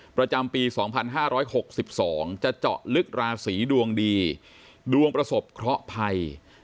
ประจำปี๒๕๖๒จะเจาะลึกราศีดวงดีดวงประสบเคราะห์ภัย